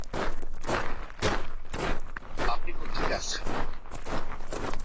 আপনি কোত্থেকে আসছেন?